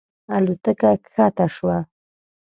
الوتکه کښته شوه.